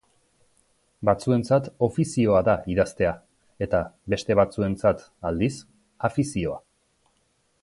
Batzuentzat ofizioa da idaztea eta beste batzuentzat, aldiz, afizioa.